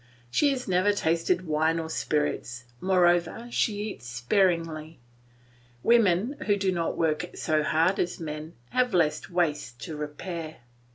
She has never tasted wine or spirits; moreover, she eats sparingly; women, who do not work so hard as men, have less waste to repair.